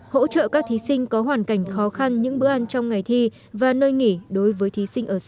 hỗ trợ các thí sinh có hoàn cảnh khó khăn những bữa ăn trong ngày thi và nơi nghỉ đối với thí sinh ở xa